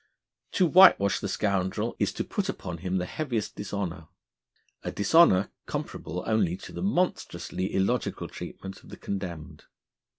To whitewash the scoundrel is to put upon him the heaviest dishonour: a dishonour comparable only to the monstrously illogical treatment of the condemned.